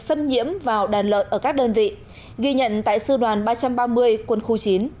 xâm nhiễm vào đàn lợn ở các đơn vị ghi nhận tại sư đoàn ba trăm ba mươi quân khu chín